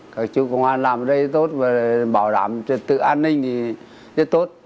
các chú công an làm ở đây tốt bảo đảm tự an ninh thì rất tốt